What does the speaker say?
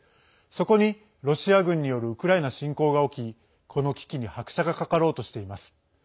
そこにロシア軍によるウクライナ侵攻が起きこの危機に拍車がかかろうとしています。